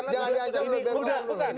jangan di ancam